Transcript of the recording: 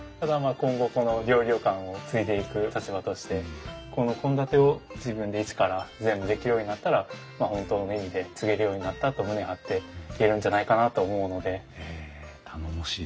今後この料理旅館を継いでいく立場としてこの献立を自分で一から全部できるようになったら本当の意味で継げるようになったと胸張って言えるんじゃないかなと思うので。